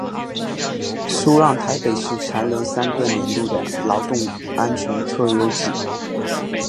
苏让台北市蝉联三个年度的劳动安全特优纪。